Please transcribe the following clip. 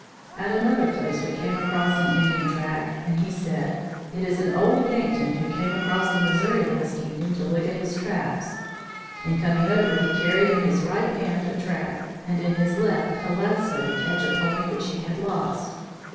"At another place we came across an Indian track, and he said, 'It is an old Yankton who came across the Missouri last evening to look at his traps. In coming over he carried in his right hand a trap, and in his left a lasso to catch a pony which he had lost.